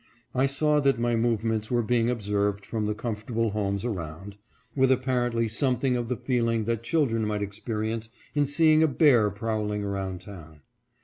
I saw that my move THE GRAVE AN END TO ALL DISTINCTIONS. 557 ments were being observed from the comfortable homes around, with apparently something of the feeling that children might experience in seeing a bear prowling about town.